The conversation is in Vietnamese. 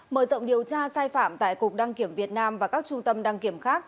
mở rộng điều tra sai phạm tại cục đăng kiểm việt nam và các trung tâm đăng kiểm khác